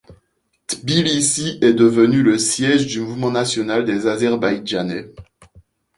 Tbilissi est devenu le siège du Mouvement national azerbaïdjanais.